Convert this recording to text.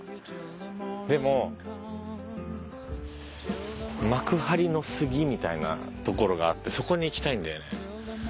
でも幕張の杉みたいなところがあってそこに行きたいんだよね。